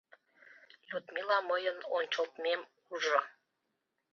Людмила мыйын ончылтмем ужо.